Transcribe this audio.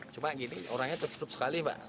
cuma gini orangnya tertutup sekali mbak